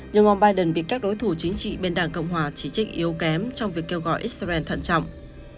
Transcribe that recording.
nhưng ông biden bị các đối thủ chính trị bên đảng cộng hòa chỉ trích yếu kém trong việc kêu gọi israel thận trọng